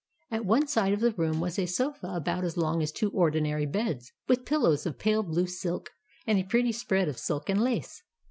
At one side of the room was a sofa about as long as two ordinary beds, with pillows of pale blue silk, and a pretty spread of silk and lace.